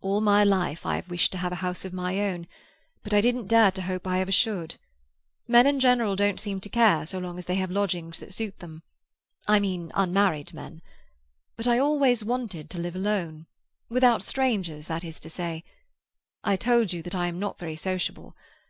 "All my life I have wished to have a house of my own, but I didn't dare to hope I ever should. Men in general don't seem to care so long as they have lodgings that suit them—I mean unmarried men. But I always wanted to live alone—without strangers, that is to say. I told you that I am not very sociable.